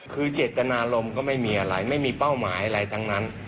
คือเจตนารมณ์ก็ไม่มีอะไรไม่มีเป้าหมายอะไรทั้งนั้น